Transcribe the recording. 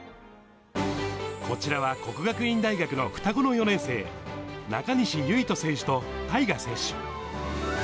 こちらは國學院大学の双子の４年生、中西唯翔選手と大翔選手。